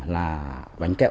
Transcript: là bánh kẹo